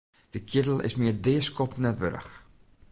Dy keardel is my it deaskoppen net wurdich.